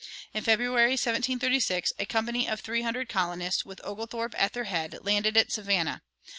In February, 1736, a company of three hundred colonists, with Oglethorpe at their head, landed at Savannah.